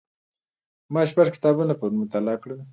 ما شپږ کتابونه پرون مطالعه کړل.